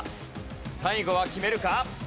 最後は決めるか？